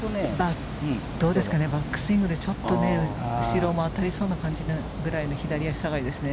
バックスイングでちょっと後ろに当たりそうなぐらいの左足下がりですね。